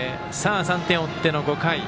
３点追っての５回。